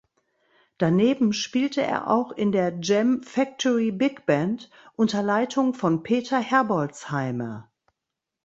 Daneben spielte er auch in der "Jam Factory Bigband" unter Leitung von Peter Herbolzheimer.